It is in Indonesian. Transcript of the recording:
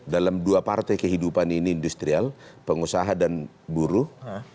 dalam dua partai kehidupan ini industrial pengusaha dan buruh